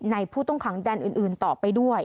ผู้ต้องขังแดนอื่นต่อไปด้วย